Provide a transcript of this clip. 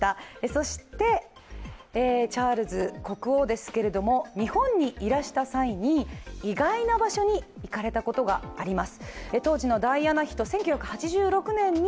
そしてチャールズ国王ですけれども日本にいらした際に意外な場所に行かれたことがあります。